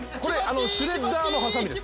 シュレッダーのはさみです。